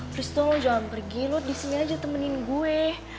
please dong lo jangan pergi lo disini aja temenin gue